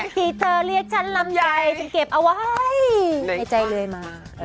ที่เธอเรียกฉันรำใยคือเก็บเอาไว้ในใจเลยมางั้นก็ลอม